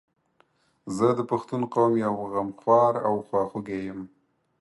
زه د پښتون قوم یو غمخوار او خواخوږی یم